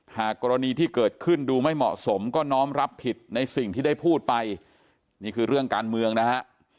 หากกรณีที่เกิดขึ้นดูไม่เหมาะสมก็น้อมรับผิดในสิ่งที่ได้พูดไปนี่คือเรื่องการเมืองนะฮะ